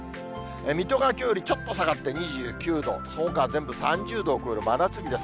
水戸がきょうよりちょっと下がって２９度、そのほかは全部３０度を超える真夏日です。